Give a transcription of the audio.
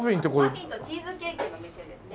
マフィンとチーズケーキの店ですね。